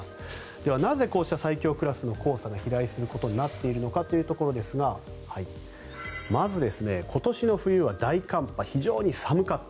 ではなぜこうした最強クラスの黄砂が飛来しているのかということですがまず、今年の冬は大寒波非常に寒かった。